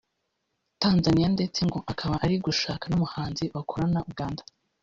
Tanzania ndetse ngo akaba ari gushaka n'umuhanzi bakorana Uganda